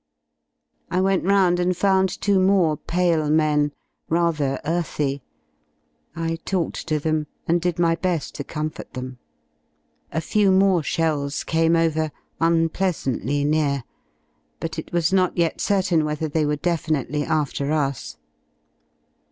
I went round and found two more pale men, rather earthy. I talked to them and did my be^ to comfort them. A few more shells came over, unpleasantly near, but it was not yet certain whether they were definitely after us.